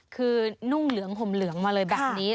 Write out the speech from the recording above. คือนุ่งเหลืองห่มเหลืองมาเลยแบบนี้